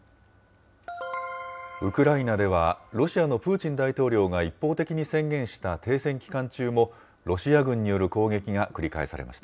ウクライナではロシアのプーチン大統領が一方的に宣言した停戦期間中も、ロシア軍による攻撃が繰り返されました。